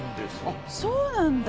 あっそうなんだ。